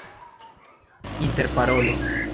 interparolo